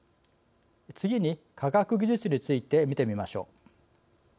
次に、科学技術について見てみましょう。